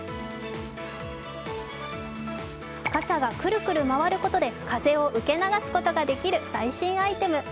傘がくるくる回ることで風を受け流すことができる最新アイテム。